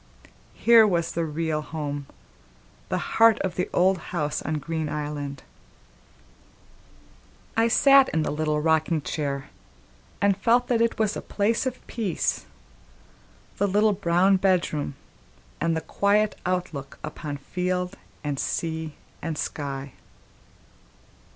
Here was the real home, the heart of the old house on Green Island! I sat in the rocking chair, and felt that it was a place of peace, the little brown bedroom, and the quiet outlook upon field and sea and sky.